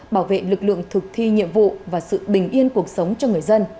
bảo vệ lực lượng thực thi nhiệm vụ và sự bình yên cuộc sống cho người dân